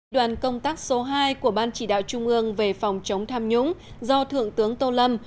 đoàn công tác số hai của ban chỉ đạo trung ương về phòng chống tham nhũng do thượng tướng tô lâm